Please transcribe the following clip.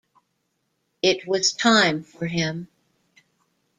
It was time for him.